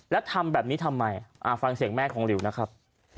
แล้วทำแบบนี้ทำไมฟังเสียงแม่ของหลิวนะครับ